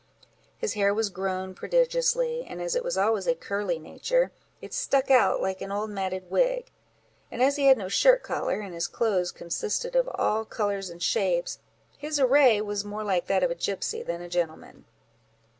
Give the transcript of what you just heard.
his hair was grown prodigiously, and as it was always of a curly nature, it stuck out like an old matted wig; and as he had no shirt collar, and his clothes consisted of all colours and shapes, his array was more like that of a gipsy than a gentleman.